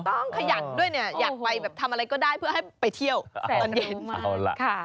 ขยันด้วยเนี่ยอยากไปแบบทำอะไรก็ได้เพื่อให้ไปเที่ยวตอนเย็นมา